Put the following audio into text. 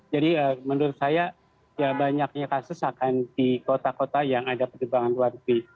jadi menurut saya ya banyaknya kasus akan di kota kota yang ada pengembangan luar negeri